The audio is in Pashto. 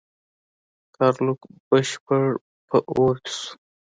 ګارلوک بشپړ په اور کې شو.